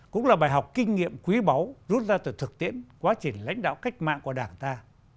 cũng là bài học kinh nghiệm quý báu rút ra từ thực tiễn quá trình lãnh đạo cách mạng của đảng ta